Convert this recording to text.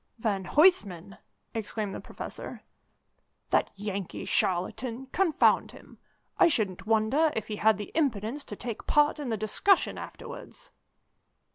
"Van Huysman!" exclaimed the Professor. "That Yankee charlatan, confound him! I shouldn't wonder if he had the impudence to take part in the discussion afterwards."